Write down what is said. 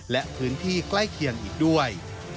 และพื้นที่ใกล้เคียงอีกด้วย